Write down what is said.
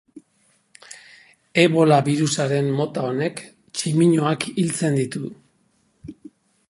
Ebola birusaren mota honek tximinoak hiltzen ditu.